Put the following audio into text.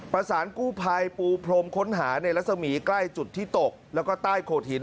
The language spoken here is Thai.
ประสานกู้ภัยปูพรมค้นหาในรัศมีร์ใกล้จุดที่ตกแล้วก็ใต้โขดหิน